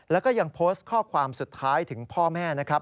แล้วก็ยังโพสต์ข้อความสุดท้ายถึงพ่อแม่นะครับ